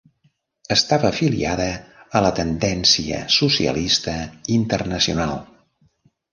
Estava afiliada a la Tendència Socialista Internacional.